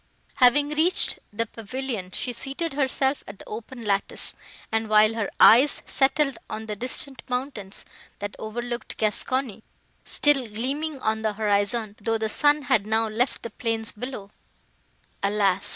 Having reached the pavilion, she seated herself at the open lattice, and, while her eyes settled on the distant mountains, that overlooked Gascony, still gleaming on the horizon, though the sun had now left the plains below, "Alas!"